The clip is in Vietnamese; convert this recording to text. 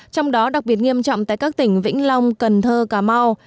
trong đó đặc biệt nghiêm trọng tại các tỉnh vĩnh long cần thơ cà mau